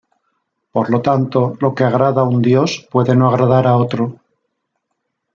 Por lo tanto, lo que agrada a un dios puede no agradar a otro.